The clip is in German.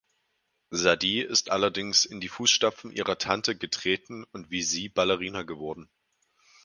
Sadie ist allerdings in die Fußstapfen ihrer Tante getreten und wie sie Ballerina geworden.